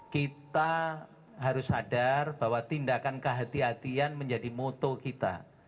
kita harus sadar bahwa tindakan kehatian menjadi moto kita